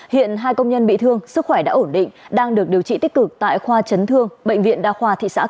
hiện hai công nhân bị thương sức khỏe đã ổn định đang được điều trị tích cực tại khoa chấn thương bệnh viện đa khoa thị xã cửa